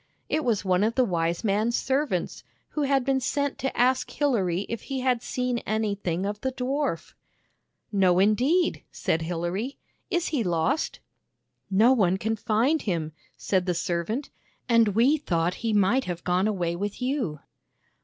It was one of the wise man's servants, who had been sent to ask Hilary if he had seen anything of the dwarf. 118 THE BAG OF SMILES No, indeed," said Hilary. " Is he lost? "" No one can find him," said the servant, " and we thought he might have gone away with you."